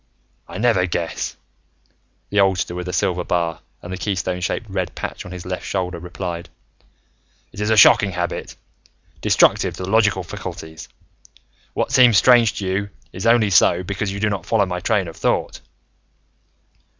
"I never guess," the oldster with the silver bar and the keystone shaped red patch on his left shoulder replied. "It is a shocking habit destructive to the logical faculties. What seems strange to you is only so because you do not follow my train of thought.